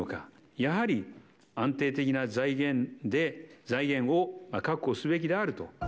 やはり、安定的な財源を確保すべきであると。